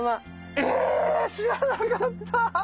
え⁉知らなかった。